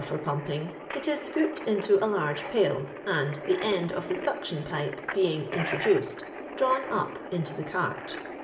for pumping, it is scooped into a large pail; and, the end of the suction pipe being intro duced, drawn up into the cart.